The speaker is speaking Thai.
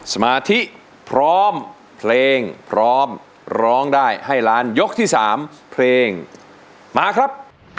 สมาธิพร้อมเพลงพร้อมร้องได้ให้ล้านยกที่๓เพลงมาครับ